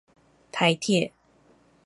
台鐵